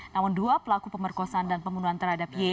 namun dua pelaku pemerkosaan dan pembunuhan terhadap y